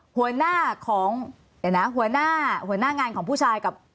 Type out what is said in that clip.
หัวหน้าของเดี๋ยวนะหัวหน้าหัวหน้างานของผู้ชายกับ